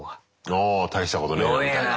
あ大したことねえなみたいな。